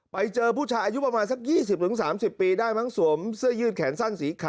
ไปเจอผู้ชายอายุประมาณสัก๒๐๓๐ปีได้มั้งสวมเสื้อยืดแขนสั้นสีขาว